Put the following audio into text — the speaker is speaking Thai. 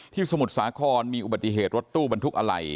สมุทรสาครมีอุบัติเหตุรถตู้บรรทุกอะไหล่